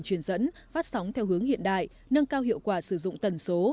truyền dẫn phát sóng theo hướng hiện đại nâng cao hiệu quả sử dụng tần số